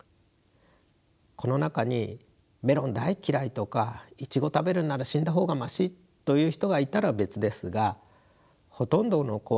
この中にメロン大嫌いとかイチゴ食べるんなら死んだ方がマシという人がいたら別ですがほとんどの子はそうじゃないですよね。